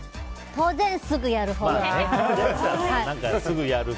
当然、すぐやるほうです。